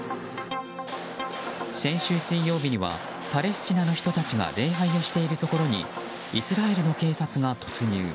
先週水曜日にはパレスチナの人たちが礼拝をしているところにイスラエルの警察が突入。